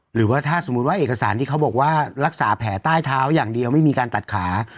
หรือว่าถ้าสมมุติว่าเอกสารที่เขาบอกว่ารักษาแผลใต้เท้าอย่างเดียวไม่มีการตัดขา